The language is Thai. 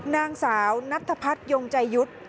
นางสาวนัทพัฒนยงใจยุทธ์